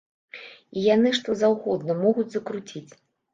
І яны што заўгодна могуць закруціць.